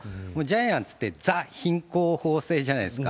ジャイアンツって、ザ・品行方正じゃないですか。